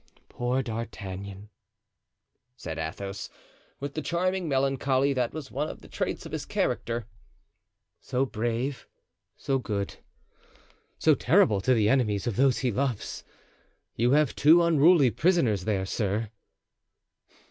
"Poor D'Artagnan'" said Athos, with the charming melancholy that was one of the traits of his character, "so brave, so good, so terrible to the enemies of those he loves. You have two unruly prisoners there, sir."